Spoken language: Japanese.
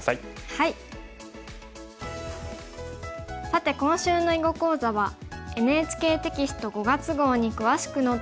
さて今週の囲碁講座はＮＨＫテキスト５月号に詳しく載っています。